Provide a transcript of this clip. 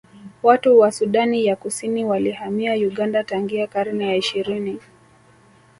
Watu wa Sudani ya Kusini walihamia Uganda tangia karne ya ishirini